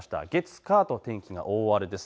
月火と天気が大荒れです。